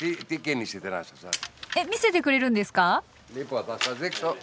えっ見せてくれるんですか？